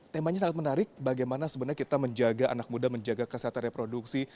temanya sangat menarik bagaimana sebenarnya kita menjaga anak muda menjaga kesehatan reproduksi